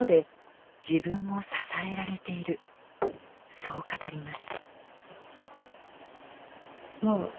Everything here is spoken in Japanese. そう語ります。